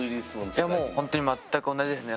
いやもうほんとに全く同じですね。